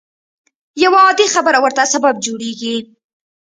يوه عادي خبره ورته سبب جوړېږي.